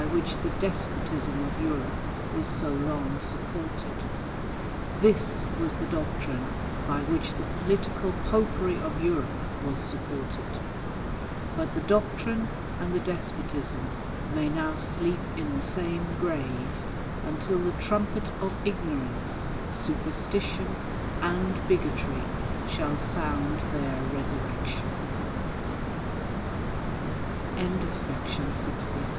"wliich the despotism of Europe was so long supported; this was the doctrine by which the political popery of Europe was supported;, but the doctrine and the despotism may now sleep in the same grave, until the trumpet of ignorance, super stition, and bigotry, shall sound their resu